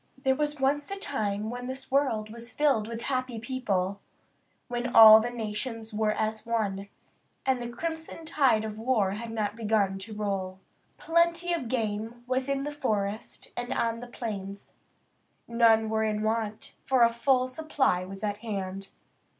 There was once a time when this world was filled with happy people; when all the nations were as one, and the crimson tide of war had not begun to roll. Plenty of game was in the forest and on the plains. None were in want, for a full supply was at hand.